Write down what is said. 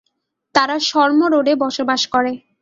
তারা শর্ম রোডে বাস করে।